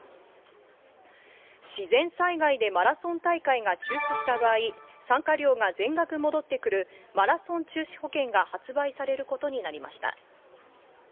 自然災害でマラソン大会が中止した場合、参加料が全額戻ってくるマラソン中止保険が発売されることになりました。